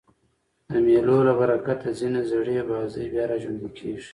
د مېلو له برکته ځیني زړې بازۍ بیا راژوندۍ کېږي.